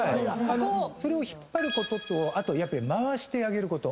それを引っ張ることとあと回してあげること。